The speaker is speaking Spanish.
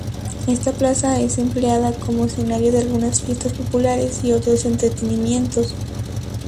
Esta plaza es empleada como escenario de algunas fiestas populares y otros entretenimientos.